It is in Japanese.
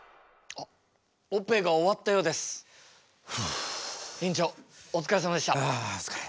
ああお疲れ。